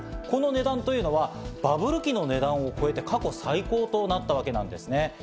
この値段というのはバブル期の値段を超えて過去最高となったわけです。